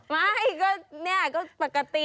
ไม่นี่นะก็ปกติ